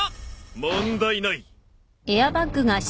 問題ない！